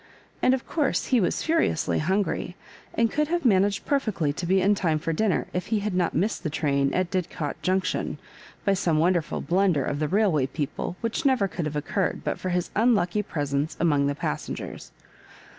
And of course he was furiously hungry, 2 and could have managed perfectly to be in time for dinner if he had not missed the train at Didcot Junction, by some wonderful blunder of the railway people, which never could have occurred but for his unlucky presence among the passen gers.